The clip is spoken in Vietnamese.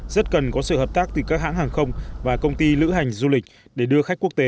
rất cần có sự hợp tác từ các hãng hàng không và công ty lữ hành du lịch để đưa khách quốc tế